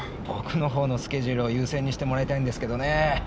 僕の方のスケジュールを優先にしてもらいたいんですけどねぇ。